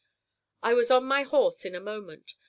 I was on my horse in a moment.